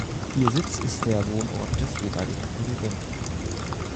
Ihr Sitz ist der Wohnort des jeweiligen Präsidenten.